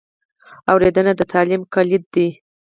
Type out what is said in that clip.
اورېدنه د تعلیم کلید دی.